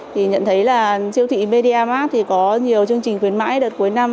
thì nhận thấy là siêu thị medimarkt thì có nhiều chương trình khuyến mại đợt cuối năm